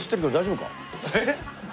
えっ？